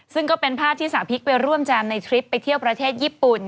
ซึ่งก็เป็นภาพที่สาวพริกไปร่วมแจมในทริปไปเที่ยวประเทศญี่ปุ่น